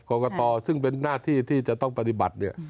กรกฎาตอซึ่งเป็นหน้าที่ที่จะต้องปฏิบัติ